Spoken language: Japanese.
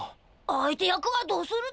相手役はどうするだ？